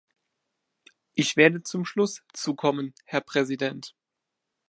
Ich werde zum Schluss zu kommen, Herr Präsident.